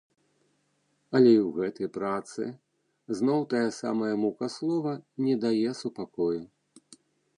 Але і ў гэтай працы, зноў тая самая мука слова не дае супакою.